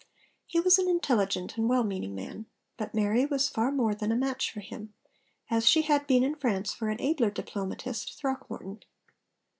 He was an intelligent and well meaning man; but Mary was far more than a match for him, as she had been in France for an abler diplomatist, Throckmorton.